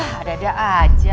hah ada ada aja